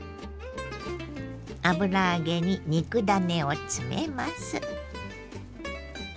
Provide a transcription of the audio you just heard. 油揚げに肉ダネを詰めます。